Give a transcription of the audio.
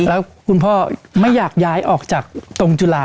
แล้วคุณพ่อไม่อยากย้ายออกจากตรงจุฬา